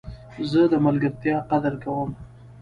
زه د ملګرتیا قدر کوم.